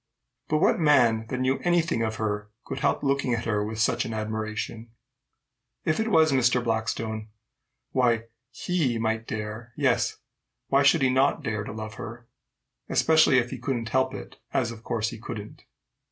But what man that knew any thing of her could help looking at her with such an admiration? If it was Mr. Blackstone why, he might dare yes, why should he not dare to love her? especially if he couldn't help it, as, of course, he couldn't.